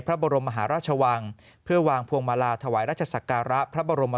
พระบรมมหาราชวังเพื่อวางพวงมาลาถวายราชศักระพระบรม